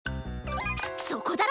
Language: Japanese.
そこだろ！